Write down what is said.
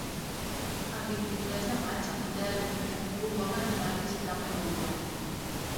El vint-i-tres de maig en Telm i en Bru volen anar a visitar mon oncle.